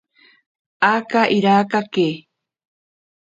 Akapa irakake.